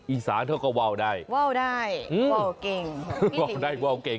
อีสานเขาก็ว่าวได้กูไหมว่าวได้ว่าวเก่ง